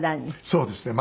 そうですね。